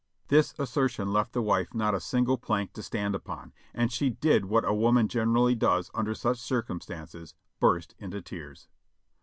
This assertion left the wife not a single plank to stand upon, and she did what a woman generally does under such circumstances, burst into tears.